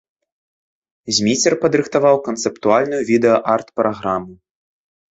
Зміцер падрыхтаваў канцэптуальную відэа-арт-праграму.